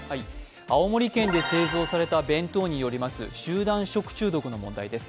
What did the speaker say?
青森県で製造された弁当によります集団食中毒の問題です。